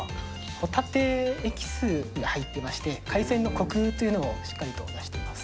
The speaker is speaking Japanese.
ホタテエキスが入っていまして、海鮮のこくというのをしっかりと出しています。